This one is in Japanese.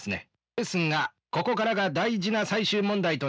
ですがここからが大事な最終問題と。